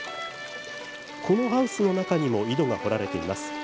このハウスの中にも井戸が掘られています。